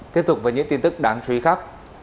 tiếp tục với những tin tức đáng chú ý khác